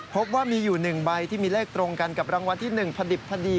พบว่ามีอยู่๑ใบที่มีเลขตรงกันกับรางวัลที่๑พอดิบพอดี